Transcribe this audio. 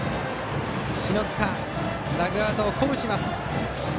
篠塚、ダグアウトを鼓舞します。